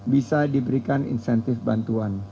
bisa diberikan insentif bantuan